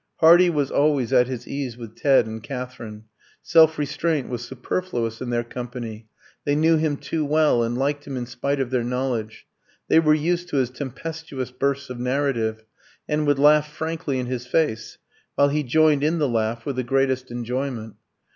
Hardy was always at his ease with Ted and Katherine. Self restraint was superfluous in their company; they knew him too well, and liked him in spite of their knowledge. They were used to his tempestuous bursts of narrative, and would laugh frankly in his face, while he joined in the laugh with the greatest enjoyment.